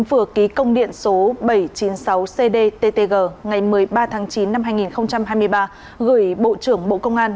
vừa ký công điện số bảy trăm chín mươi sáu cdttg ngày một mươi ba tháng chín năm hai nghìn hai mươi ba gửi bộ trưởng bộ công an